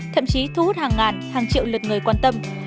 thậm chí thu hút hàng ngàn hàng triệu lượt người quan tâm